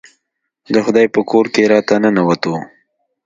د خدای په کور کې راته ننوتو.